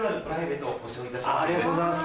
ありがとうございます。